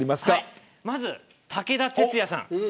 まず武田鉄矢さん。